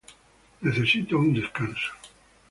Necesito un descanso".